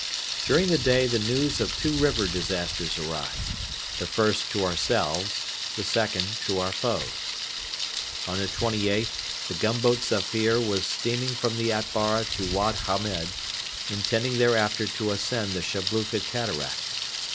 During the day the news of two river disasters arrived the first to ourselves, the second to our foes. On the 28th the gunboat Zafir was steaming from the Atbara to Wad Hamed, intending thereafter to ascend the Shabluka Cataract.